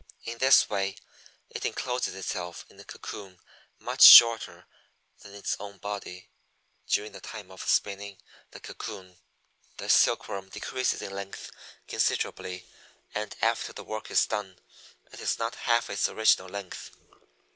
In this way it encloses itself in a cocoon much shorter than its own body. During the time of spinning the cocoon the Silkworm decreases in length considerably, and after the work is done it is not half its original length.